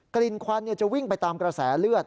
ลิ่นควันจะวิ่งไปตามกระแสเลือด